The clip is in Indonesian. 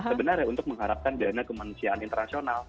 sebenarnya untuk mengharapkan dana kemanusiaan internasional